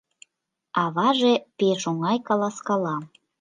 Аваже пеш оҥай каласкала.